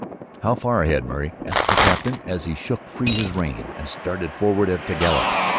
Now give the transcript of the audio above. "How far ahead, Murray?" asked the captain, as he shook free his rein and started forward at the gallop.